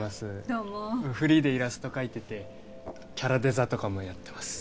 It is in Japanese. どうもフリーでイラスト書いててキャラデザとかもやってます